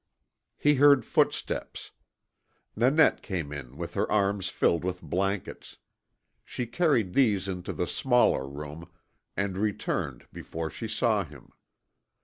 He heard footsteps. Nanette came in with her arms filled with blankets; she carried these into the smaller room, and returned, before she saw him.